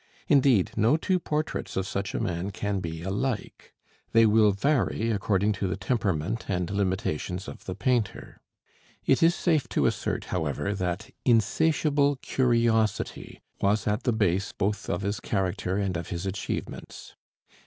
Indeed, no two portraits of such a man can be alike: they will vary according to the temperament and limitations of the painter. It is safe to assert, however, that insatiable curiosity was at the base both of his character and of his achievements.